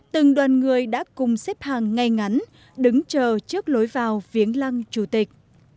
từng đoàn người đã cùng xếp hàng ngay ngắn đứng chờ trước lối vào viếng lăng chủ tịch